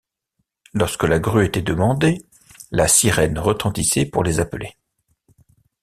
Lorsque la grue était demandée, la sirène retentissait pour les appeler.